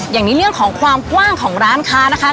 อย่างนี้เรื่องของความกว้างของร้านค้านะคะ